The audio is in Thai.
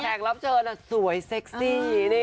รับเชิญสวยเซ็กซี่